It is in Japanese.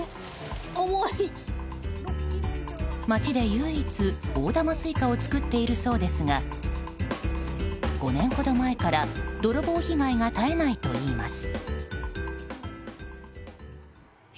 町で唯一、大玉スイカを作っているそうですが５年ほど前から泥棒被害が絶えないといいます。